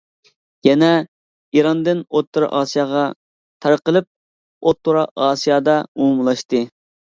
يەنە ئىراندىن ئوتتۇرا ئاسىياغا تارقىلىپ، ئوتتۇرا ئاسىيادا ئومۇملاشتى.